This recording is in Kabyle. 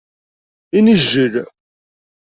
Inijjel.